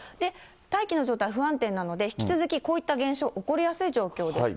大気の状態、不安定なので、引き続き、こういった現象、起こりやすい状況です。